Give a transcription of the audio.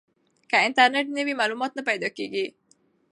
که انټرنیټ نه وي معلومات نه پیدا کیږي.